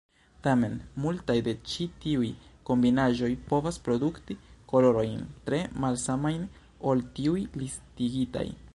Tamen, multaj de ĉi tiuj kombinaĵoj povas produkti kolorojn tre malsamajn ol tiuj listigitaj.